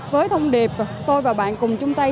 với thông điệp tôi và bạn cùng chung tay